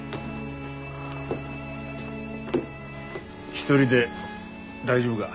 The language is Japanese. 一人で大丈夫が？